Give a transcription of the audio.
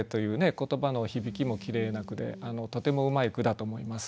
言葉の響きもきれいな句でとてもうまい句だと思います。